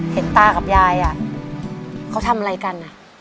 ตากับยายเขาทำอะไรกัน